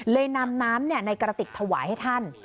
นำน้ำในกระติกถวายให้ท่าน